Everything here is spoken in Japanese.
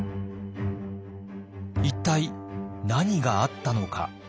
一体何があったのか。